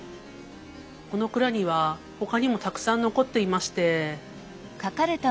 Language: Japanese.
この蔵にはほかにもたくさん残っていまして。